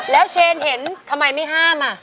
แล้วเชนเห็นทำไมไม่ห้ามอ่ะ